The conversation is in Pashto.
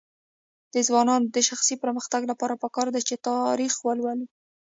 د ځوانانو د شخصي پرمختګ لپاره پکار ده چې تاریخ ولولي.